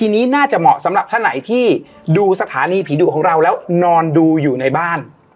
ทีนี้น่าจะเหมาะสำหรับท่านไหนที่ดูสถานีผีดุของเราแล้วนอนดูอยู่ในบ้าน